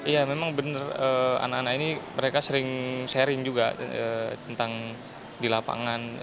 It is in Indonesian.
ya memang benar anak anak ini mereka sering sharing juga tentang di lapangan